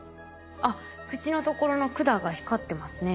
あっ口のところの管が光ってますね。